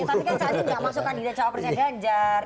tapi kan cak imin gak masuk kandidat cawa presnya ganjar